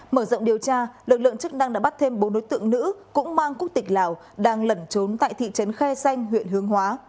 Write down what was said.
mở rộng điều tra lực lượng chức năng đã bắt thêm bốn đối tượng nữ cũng mang quốc tịch lào đang lẩn trốn tại thị trấn khe xanh huyện hướng hóa